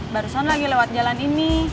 barusan lagi lewat jalan ini